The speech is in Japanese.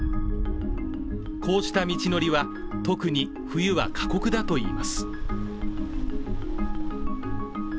こうした道のりは、特に冬は過酷だといいます。